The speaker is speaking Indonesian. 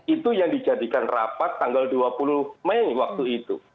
itu yang dijadikan rapat tanggal dua puluh mei waktu itu